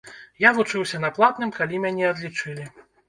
Я вучыўся на платным, калі мяне адлічылі.